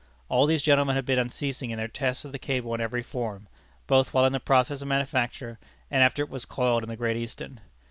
All these gentlemen had been unceasing in their tests of the cable in every form, both while in the process of manufacture and after it was coiled in the Great Eastern.